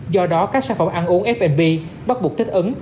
do đó các sản phẩm ăn uống f b bắt buộc thích ứng